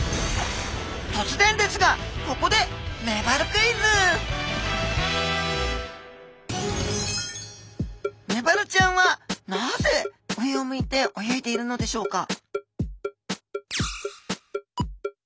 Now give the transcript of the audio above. とつぜんですがここでメバルちゃんはなぜ上を向いて泳いでいるのでしょうか？